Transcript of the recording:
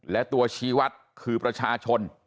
และตัวชี้วัดคือประชาชน